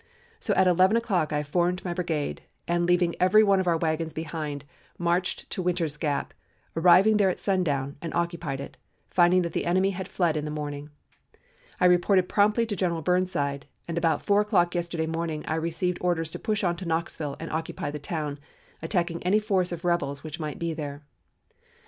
So at 11 o'clock I formed my brigade, and, leaving every one of our wagons behind, marched to Winter's Gap, arriving there at sundown and occupied it, finding that the enemy had fled in the morning. I reported promptly to General Burnside, and about four o'clock yesterday morning I received orders to push on into Knoxville and occupy the town, attacking any force of rebels which might be there.